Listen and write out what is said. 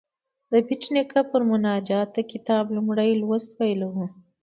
د بېټ نیکه پر دې مناجات د کتاب لومړی لوست پیلوو.